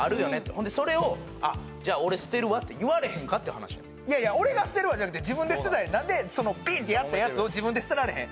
ほんでそれを「あっじゃ俺捨てるわ！」って言われへんかって話やねんいやいや俺が捨てるわじゃなくて自分で捨てたらええなんでそのピン！ってやったやつを自分で捨てられへん？